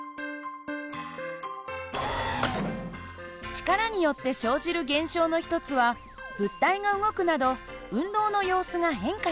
力によって生じる現象の一つは物体が動くなど運動の様子が変化する事。